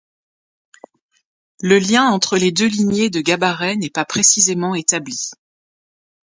Le lien entre les deux lignées de Gabaret n'est pas précisément établi.